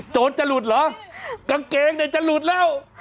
จนจะหลุดเหรอกางเกงเนี่ยจะหลุดแล้ว